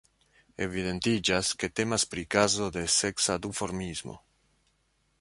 Evidentiĝas ke temas pri kazo de seksa duformismo.